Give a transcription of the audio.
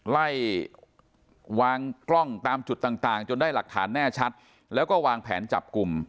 ไล่วางกล้องตามจุดต่างจนได้หลักฐานแน่ชัดแล้วก็วางแผนจับกลุ่ม